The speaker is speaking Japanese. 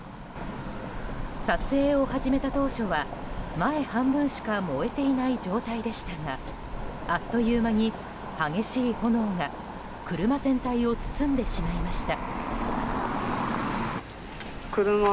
撮影を始めた当初は、前半分しか燃えていない状態でしたがあっという間に激しい炎が車全体を包んでしまいました。